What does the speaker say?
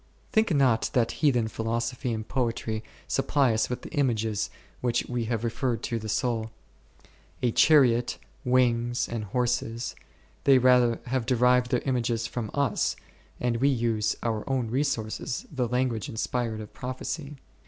Think not that heathen philosophy and poetry supply us with the images which we have referred to the soul, a chariot, wings and horses: they rather have derived their images from us, and we use our own resources, the language of inspired prophecy.